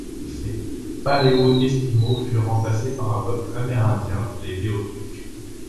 Ces paléo-esquimaux furent remplacés par un peuple amérindien, les Béothuks.